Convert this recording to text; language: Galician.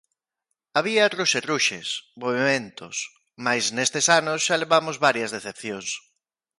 Había ruxerruxes, movementos... mais nestes anos xa levamos varias decepcións.